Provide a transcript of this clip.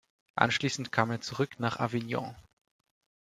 Anschließend kam er zurück nach Avignon.